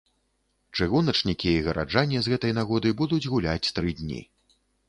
Чыгуначнікі і гараджане з гэтай нагоды будуць гуляць тры дні.